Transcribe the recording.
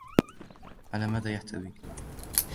على ماذا يحتوي ؟